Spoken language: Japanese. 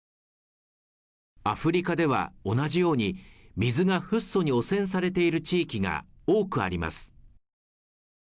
アフリカでは同じように水がフッ素に汚染されている地域が多くあります。